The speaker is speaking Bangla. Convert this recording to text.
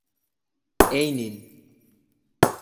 এই নিন।